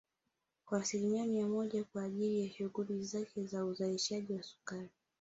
kwa asilimia mia moja kwa ajili ya shughuli zake za uzalishaji wa sukari